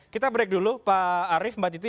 kita break dulu pak arief mbak titi